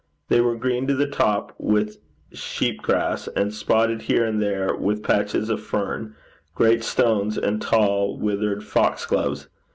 They were green to the top with sheep grass, and spotted here and there with patches of fern, great stones, and tall withered foxgloves.